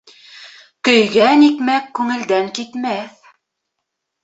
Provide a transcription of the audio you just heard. Көйгән икмәк күңелдән китмәҫ.